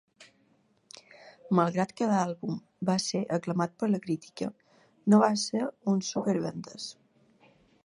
Malgrat que l'àlbum va ser aclamat per la crítica, no va ser un súper vendes.